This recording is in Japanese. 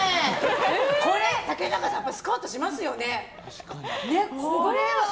これ、竹中さんスカウトしますよね。